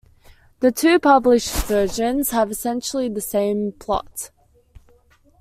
The two published versions have essentially the same plot.